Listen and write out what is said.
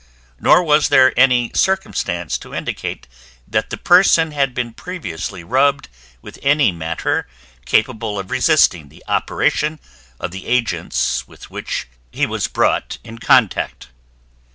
Nor was there any circumstance to indicate that the person had been previously rubbed with any matter capable of resisting the operation of the agents with which he was brought in contact.